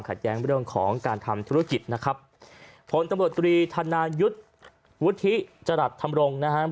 แย้งเรื่องของการทำธุรกิจนะครับผลตำรวจตรีธนายุทธ์วุฒิจรัสธรรมรงค์นะครับ